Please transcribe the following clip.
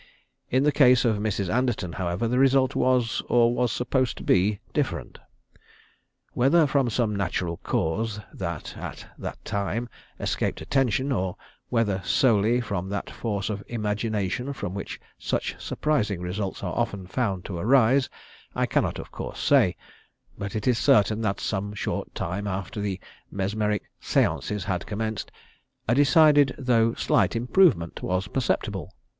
In the case of Mrs. Anderton, however, the result was, or was supposed to be, different. Whether from some natural cause that, at the time, escaped attention, or whether solely from that force of imagination from which such surprising results are often found to arise, I cannot of course say; but it is certain that some short time after the mesmeric "séances" had commenced, a decided though slight improvement was perceptible.